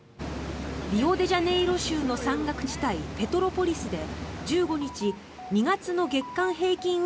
リオデジャネイロ州の山岳地帯ペトロポリスで１５日、２月の月間平均